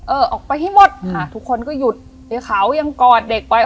เออออกไปให้หมดค่ะทุกคนก็หยุดยายเขายังกอดเด็กไป